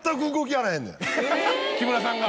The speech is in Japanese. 木村さんが。